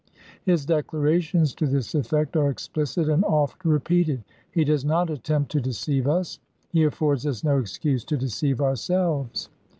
His declarations to this effect are explicit and oft repeated. He does not attempt to deceive us. He affords us no excuse to deceive ourselves.